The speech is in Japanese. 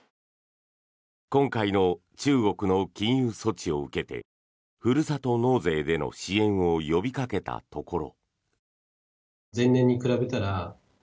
今回の中国の禁輸措置を受けてふるさと納税での支援を呼びかけたところ。